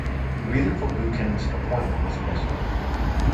The reason for Buchan's appointment was a mystery.